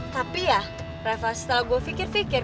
tapi ya refer setelah gue pikir pikir